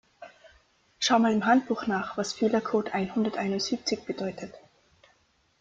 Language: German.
Schau mal im Handbuch nach, was Fehlercode einhunderteinundsiebzig bedeutet.